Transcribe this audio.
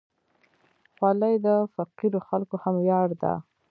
خولۍ د فقیرو خلکو هم ویاړ ده.